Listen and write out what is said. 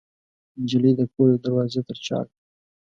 نجلۍ د کور د دروازې تر چاک